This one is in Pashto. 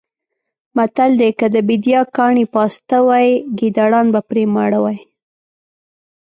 متل دی: که د بېدیا کاڼي پاسته وی ګېدړان به پرې ماړه وی.